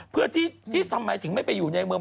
เพื่อที่ทำไมถึงไม่ไปอยู่ในเมือง